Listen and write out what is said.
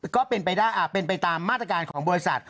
ก็เป็นไปตามมาตรการของบริษัท